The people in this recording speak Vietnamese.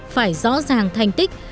phải rõ ràng thành tích